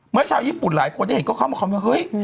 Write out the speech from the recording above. เมื่อชาวญี่ปุ่นหลายคนได้เห็นก็เข้ามาคำว่าเฮ้ย